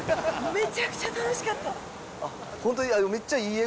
めちゃくちゃ楽しかった。